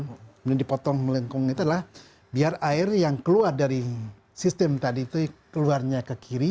kemudian dipotong melengkung itu adalah biar air yang keluar dari sistem tadi itu keluarnya ke kiri